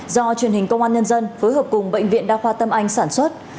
do truyền hình công an nhân dân phối hợp cùng bệnh viện đa khoa tâm anh sản xuất